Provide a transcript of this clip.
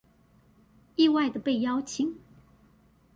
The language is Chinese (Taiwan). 意外的被邀請